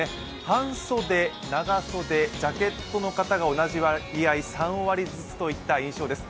半袖、長袖、ジャケットの方が同じ割合、３割ずつといった印象です。